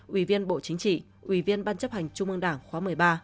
ủy viên bộ chính trị ủy viên ban chấp hành trung ương đảng khóa một mươi ba